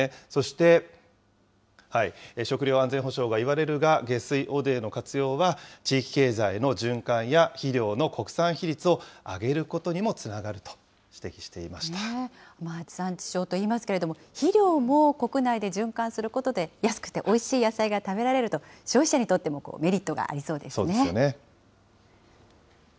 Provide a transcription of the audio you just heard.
そして、食料安全保障がいわれるが、下水汚泥の活用は、地域経済の循環や肥料の国産比率を上げることにもつながると指摘していま地産地消といいますけれども、肥料も国内で循環することで、安くておいしい野菜が食べられると、消費者にとってもメリットがありそうですね。